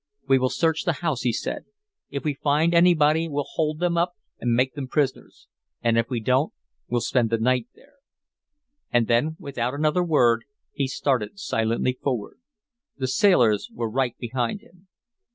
"We will search the house," he said. "If we find anybody we'll hold them up and make them prisoners; and if we don't, we'll spend the night there." And then without another word he started silently forward. The sailors were right behind him.